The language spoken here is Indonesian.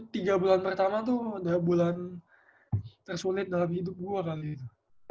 tiga bulan pertama tuh udah bulan tersulit dalam hidup dua kali itu